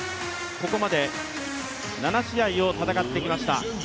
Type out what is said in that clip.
ここまで７試合を戦ってきました。